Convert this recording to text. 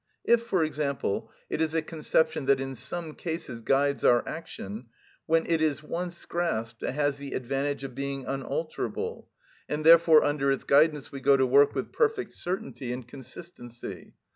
If, for example, it is a conception that in some case guides our action, when it is once grasped it has the advantage of being unalterable, and therefore under its guidance we go to work with perfect certainty and consistency.